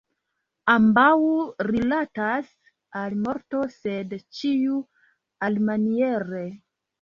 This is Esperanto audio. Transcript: Ambaŭ rilatas al morto, sed ĉiu alimaniere.